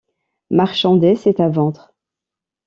Marchandez, c’est à vendre.